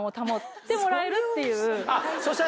そしたら。